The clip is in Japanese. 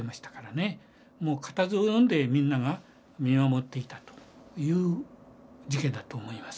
固唾をのんでみんなが見守っていたという事件だと思います。